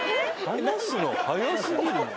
離すの早すぎるな。